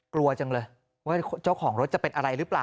กลัวจังเลยว่าเจ้าของรถจะเป็นอะไรหรือเปล่า